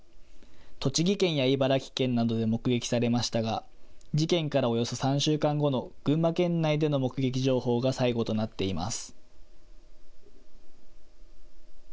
栃木県や茨城県などで目撃されましたが事件からおよそ３週間後の群馬県内での目撃情報が最後となっています。